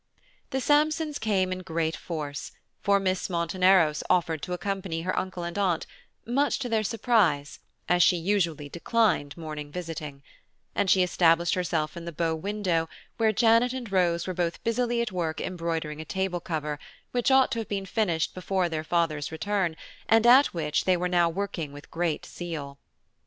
The Sampsons came in great force, for Miss Monteneros offered to accompany her uncle and aunt, much to their surprise, as she usually declined morning visiting; and she established herself in the bow window where Janet and Rose were both busily at work embroidering a table cover, which ought to have been finished before their father's return, and at which they were now working with great zeal.